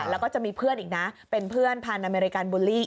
แล้วก็จะมีเพื่อนอีกนะเป็นเพื่อนพันธ์อเมริกันบูลลี่